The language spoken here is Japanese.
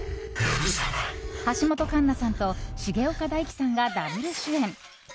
橋本環奈さんと重岡大毅さんがダブル主演！